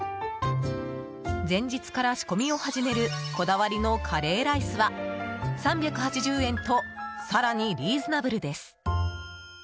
前日から仕込みを始めるこだわりのカレーライスは３８０円と更にリーズナブルです。